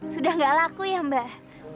sudah nggak laku ya mbak